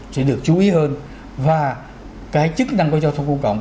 sẽ được chú ý hơn và cái chức năng có giao thông công cộng